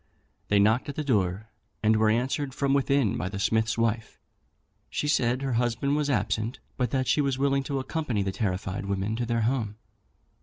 They knocked at the door, and were answered from within by the smith's wife. She said her husband was absent, but that she was willing to accompany the terrified women to their home.